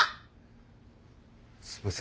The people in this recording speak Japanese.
すいません。